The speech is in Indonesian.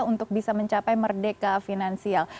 untuk bisa mencapai merdeka finansial